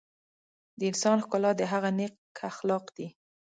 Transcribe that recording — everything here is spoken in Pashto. د انسان ښکلا د هغه نیک اخلاق دي.